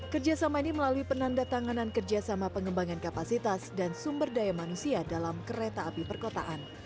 kerjasama ini melalui penanda tanganan kerjasama pengembangan kapasitas dan sumber daya manusia dalam kereta api perkotaan